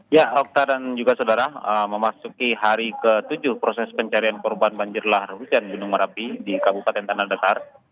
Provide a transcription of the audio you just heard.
ya rokta dan juga saudara memasuki hari ke tujuh proses pencarian korban banjir lahar hujan gunung merapi di kabupaten tanah datar